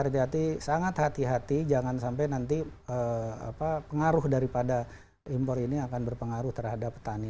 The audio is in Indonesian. hati hati sangat hati hati jangan sampai nanti pengaruh daripada impor ini akan berpengaruh terhadap petani